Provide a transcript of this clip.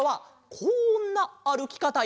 こんなあるきかたで。